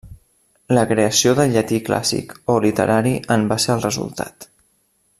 La creació del llatí clàssic o literari en va ser el resultat.